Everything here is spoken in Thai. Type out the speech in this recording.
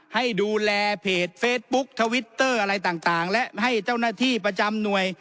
ให้ดูแลเพจเฟซบุ๊คทวิตเตอร์อะไรต่างและให้เจ้าหน้าที่ประจำหน่วย